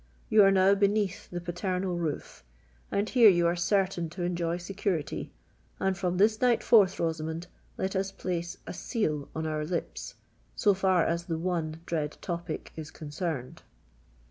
You are now beneath the paternal roof—and here you are certain to enjoy security; and from this night forth, Rosamond, let us place a seal on our lips so far as the one dread topic is concerned."